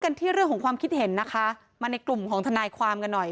ที่เรื่องของความคิดเห็นนะคะมาในกลุ่มของทนายความกันหน่อย